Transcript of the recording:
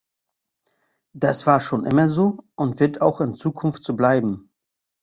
Das war schon immer so, und wird auch in Zukunft so bleiben.